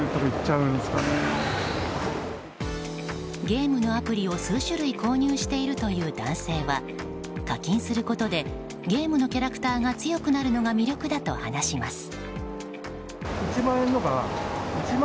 ゲームのアプリを数種類購入しているという男性は課金することで、ゲームのキャラクターが強くなるのが魅力だと話します。